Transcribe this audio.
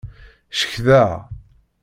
Cekḍeɣ.